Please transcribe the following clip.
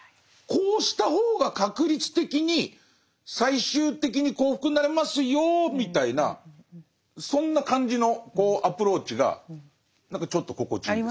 こうした方が確率的に最終的に幸福になれますよみたいなそんな感じのアプローチが何かちょっと心地いいです。